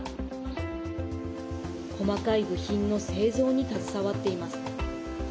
細かい部品の製造に携わっています。